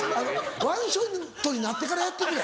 ワンショットになってからやってくれ。